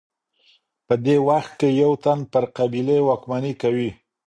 په دې وخت کي یو تن پر قبیلې واکمني کوي.